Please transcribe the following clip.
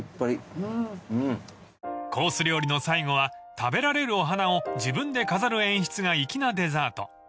［コース料理の最後は食べられるお花を自分で飾る演出が粋なデザート］